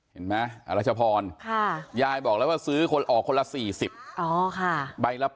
เห็นไหมอรัชพรยายบอกแล้วว่าซื้อคนออกคนละ๔๐ใบละ๘๐